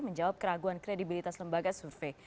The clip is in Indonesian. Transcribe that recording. dan kredibilitas lembaga survei